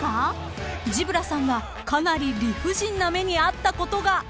［Ｚｅｅｂｒａさんはかなり理不尽な目に遭ったことが］